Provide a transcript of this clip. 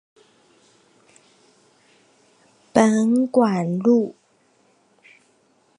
本館路